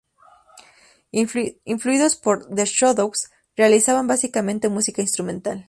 Influidos por The Shadows, realizaban básicamente música instrumental.